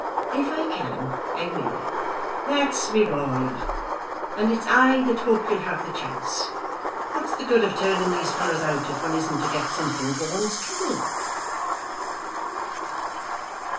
"If I can I will." "That's my boy! And it's I that hope you'll have the chance. What's the good of turning these fellows out if one isn't to get something for one's trouble?"